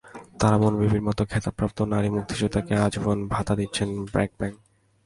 তারামন বিবির মতো খেতাবপ্রাপ্ত নারী মুক্তিযোদ্ধাকে আজীবন ভাতা দিচ্ছে ব্র্যাক ব্যাংক।